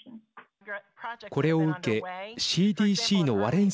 これを受けＣＤＣのワレン